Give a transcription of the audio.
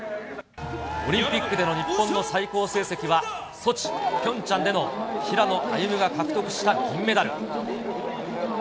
オリンピックでの日本の最高成績は、ソチ、ピョンチャンでの平野歩夢が獲得した銀メダル。